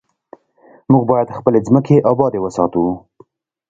موږ باید خپلې ځمکې ابادې وساتو.